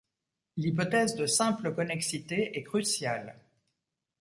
L'hypothèse de simple connexité est cruciale.